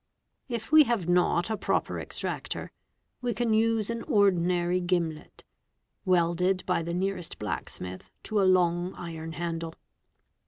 If we have not a proper extractor, we can use an ordinary gimlet, welded by the nearest black | smith to a long iron handle.